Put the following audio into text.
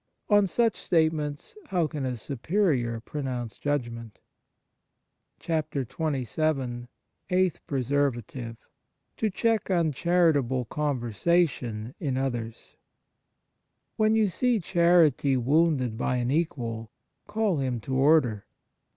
On such statements, how can a Superior pronounce judgment ? XXVII EIGHTH PRESERVATIVE To check uncharitable conversation in others WHEN you see charity wounded by an equal call him to order.